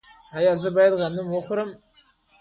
ایا زه باید غنم وخورم؟